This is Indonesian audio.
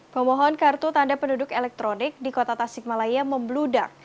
pemohon kartu tanda penduduk elektronik di kota tasikmalaya membludak